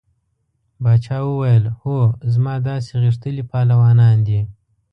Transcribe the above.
باچا وویل هو زما داسې غښتلي پهلوانان دي.